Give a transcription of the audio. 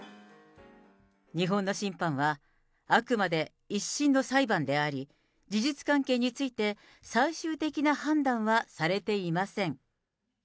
日本の審判はあくまで１審の裁判であり、事実関係について最終的な判断はされていません。